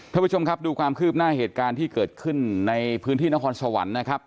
ท่านผู้ชมครับดูความคืบหน้าเหตุการณ์ที่เกิดขึ้นในพื้นที่นครสวรรค์นะครับ